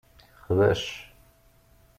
Xbec.